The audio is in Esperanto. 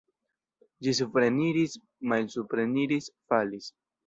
Ĝi supreniris, malsupreniris, falis.